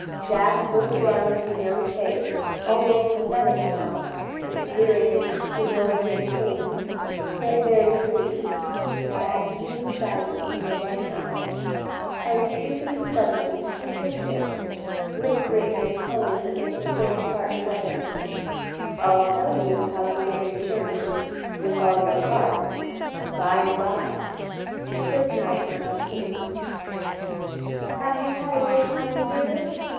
Jack looked down at the young face almost pathetic now with weariness, humility, and pain, yet very sweet, with that new shyness in the loving eyes, and, stooping suddenly, he kissed it, whispering in a tone that made the girl's heart flutter, "I'll tell you how you may return it 'with all your heart,' by and by. Good night, my Kitty." "Have you had a good time, dear?"